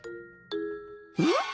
うん？